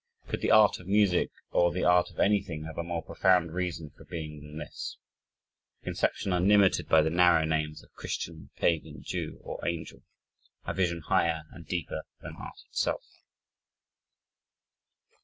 Could the art of music, or the art of anything have a more profound reason for being than this? A conception unlimited by the narrow names of Christian, Pagan, Jew, or Angel! A vision higher and deeper than art itself!